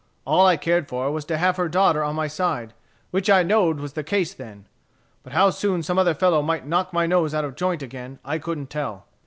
All I cared for was to have her daughter on my side, which I know'd was the case then. But how soon some other fellow might knock my nose out of joint again, I couldn't tell.